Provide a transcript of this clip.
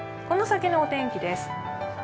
この先のお天気です。